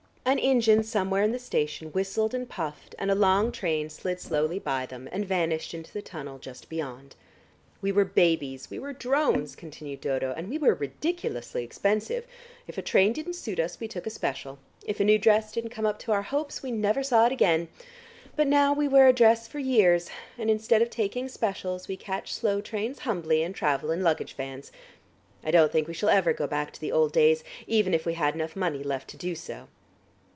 An engine somewhere in the station whistled and puffed and a long train slid slowly by them and vanished into the tunnel just beyond. "We were babies, we were drones," continued Dodo, "and we were ridiculously expensive. If a train didn't suit us, we took a special, if a new dress didn't come up to our hopes, we never saw it again. But now we wear a dress for years, and instead of taking specials we catch slow trains humbly, and travel in luggage vans. I don't think we shall ever go back to the old days, even if we had enough money left to do so."